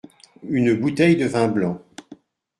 Une bouteille de vin blanc.